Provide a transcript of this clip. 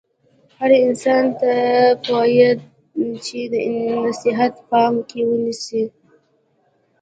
هر انسان ته پویه چې دا نصحیت په پام کې ونیسي.